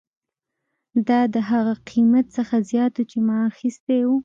دا د هغه قیمت څخه زیات و چې ما اخیستی و